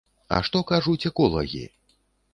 А што кажуць эколагі?